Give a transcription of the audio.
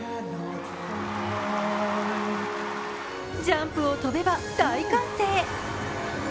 ジャンプを跳べば大歓声。